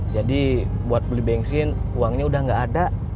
jadi buat beli bensin uangnya udah gak ada